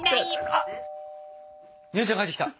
あっ姉ちゃん帰ってきた。